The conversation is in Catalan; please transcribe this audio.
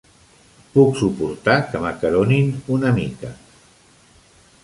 Puc suportar que m'acaronin una mica.